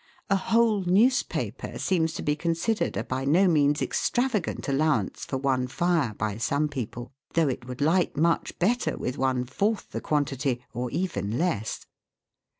A whole newspaper seems to be considered a by no means extravagant allowance for one fire by some people, though it would light much better with one fourth the quantity, or even less.